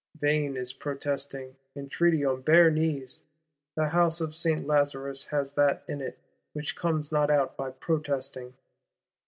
Vain is protesting, entreaty on bare knees: the House of Saint Lazarus has that in it which comes not out by protesting.